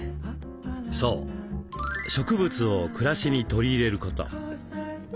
そう植物を暮らしに取り入れること。